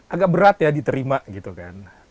agak berat ya diterima gitu kan